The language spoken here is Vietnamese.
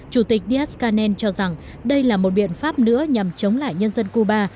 chủ tịch díaz canel cho rằng đây là một biện pháp nữa nhằm chống lại nhân dân cuba